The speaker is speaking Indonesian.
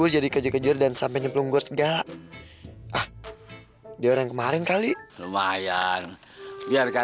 jadi kejar kejar dan sampai nyemplung gua segala di orang kemarin kali lumayan biar